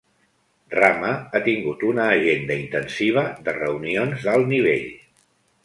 Rama ha tingut una agenda intensiva de reunions d'alt nivell.